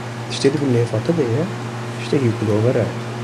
tiştê di bin lihêfa te de ye tiştekî gilover e